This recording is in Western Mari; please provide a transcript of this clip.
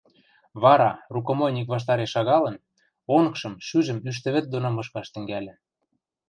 вара, рукомойник ваштареш шагалын, онгжым, шӱжӹм ӱштӹ вӹд доно мышкаш тӹнгӓльӹ.